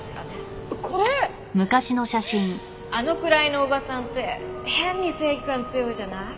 あのくらいのおばさんって変に正義感強いじゃない？